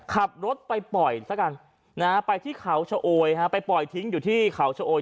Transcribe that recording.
ขับรถไปปล่อยซะกันนะฮะไปที่เขาชะโอยไปปล่อยทิ้งอยู่ที่เขาชะโอย